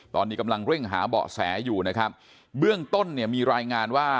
ตอนนี้กำลังเร่งหาเบาะแสอยู่นะครับเบื้องต้นเนี่ยมีรายงานว่า